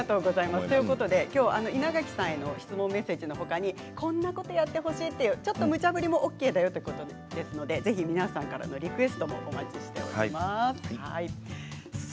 きょうは稲垣さんへの質問メッセージのほかに、こんなことやってほしいという、むちゃ振りもＯＫだよ、ということですので皆さんからのリクエストもお待ちしています。